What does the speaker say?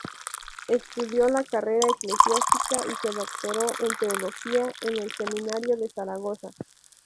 Estudió la carrera eclesiástica y se doctoró en teología en el seminario de Zaragoza.